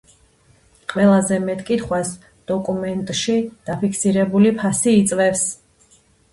ყველაზე მეტ კითხვას დოკუმენტში დაფიქსირებული ფასი იწვევს.